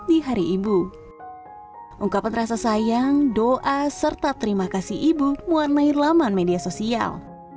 di hari ibu ungkapan rasa sayang doa serta terima kasih ibu mewarnai laman media sosial